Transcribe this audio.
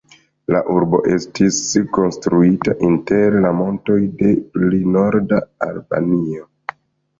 La urbo estis konstruita inter la montoj de pli norda Albanio.